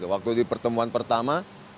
waktu di pertemuan pertama